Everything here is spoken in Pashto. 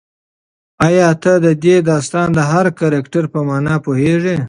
ایا ته د دې داستان د هر کرکټر په مانا پوهېږې؟